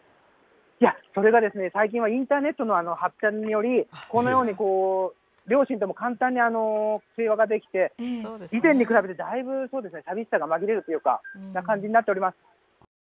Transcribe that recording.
それが最近はインターネットの発達により、このように、両親とも簡単に通話ができて、以前に比べてだいぶ寂しさがまぎれるというか、そんな感じになっております。